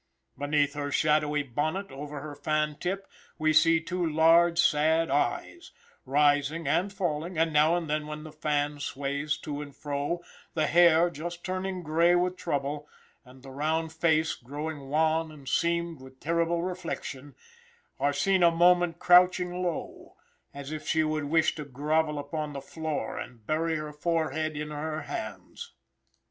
Beneath her shadowy bonnet, over her fan tip, we see two large, sad eyes, rising and falling, and now and then when the fan sways to and fro, the hair just turning gray with trouble, and the round face growing wan and seamed with terrible reflection, are seen a moment crouching low, as if she would wish to grovel upon the floor and bury her forehead in her hands.